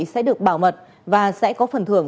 sẽ được bảo mật và sẽ có phần thưởng